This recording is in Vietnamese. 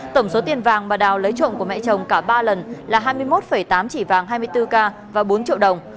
tổng số tiền vàng mà đào lấy trộm của mẹ chồng cả ba lần là hai mươi một tám chỉ vàng hai mươi bốn k và bốn triệu đồng